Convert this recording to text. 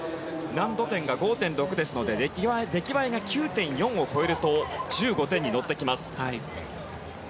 難度点が５．６ですので出来栄えが９．４を超えると１５点に乗ってきます。